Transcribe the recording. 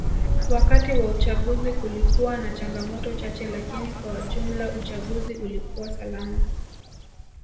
Wakati wa uchaguzi kulikuwa na changamoto chache lakini kwa jumla uchaguzi ulikuwa salama